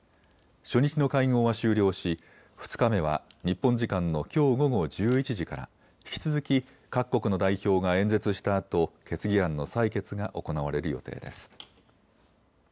初日の会合は終了し、２日目は日本時間のきょう午後１１時から引き続き各国の代表が演説したあと決議案の採決が行われる予定です。